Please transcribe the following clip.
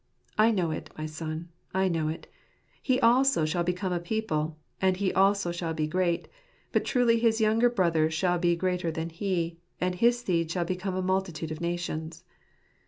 " I know it, my son, I know it ; he also shall become a people, and he also shall be great : but truly his younger brother shall be greater than he, and his seed shall become a multitude of nations."